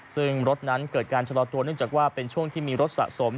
ซึ่งรถนั้นเกิดการชะลอตัวเนื่องจากว่าเป็นช่วงที่มีรถสะสม